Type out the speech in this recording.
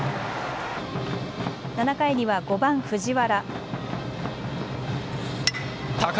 ７回には５番・藤原。